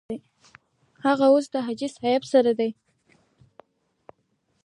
هغه اوس د حاجي صاحب سره دی.